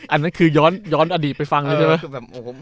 อันนั้นคือย้อนอดีตไปฟังเลยใช่ไหม